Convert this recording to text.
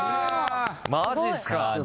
マジっすか！？